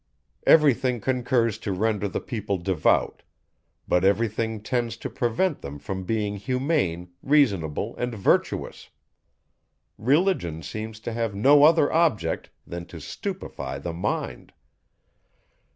Everything concurs to render the people devout; but every thing tends to prevent them from being humane, reasonable and virtuous. Religion seems to have no other object, than to stupefy the mind.